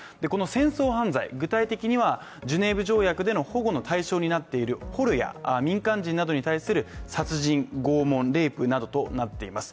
この戦争犯罪、具体的にはジュネーブ条約の保護の対象になっている捕虜や民間人などに対する殺人、拷問レイプなどとなっています。